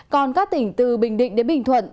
còn các tỉnh từ bình định đến bình thuận